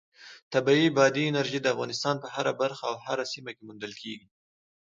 طبیعي بادي انرژي د افغانستان په هره برخه او هره سیمه کې موندل کېږي.